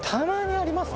あります？